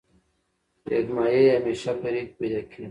ریګ ماهی همیشه په ریګ کی پیدا کیږی.